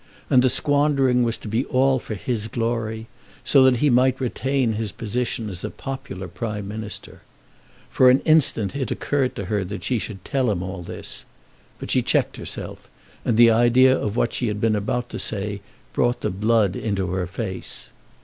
And the squandering was to be all for his glory, so that he might retain his position as a popular Prime Minister. For an instant it occurred to her that she would tell him all this. But she checked herself, and the idea of what she had been about to say brought the blood into her face.